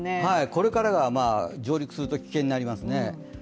これからが上陸すると危険になりますね。